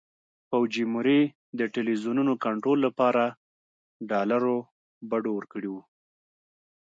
فوجیموري د ټلویزیونونو کنټرول لپاره ډالرو بډو ورکړي وو.